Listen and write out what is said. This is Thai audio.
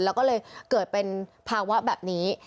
แล้วก็เลยเกิดเป็นภาวะแบบนี้